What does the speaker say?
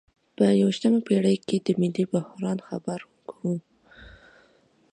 په یویشتمه پیړۍ کې د ملي بحران خبره کوو.